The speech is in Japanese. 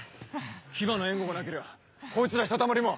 騎馬の援護がなけりゃこいつらひとたまりも。